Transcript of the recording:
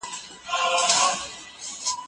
رښتينولي تل بريالۍ ده.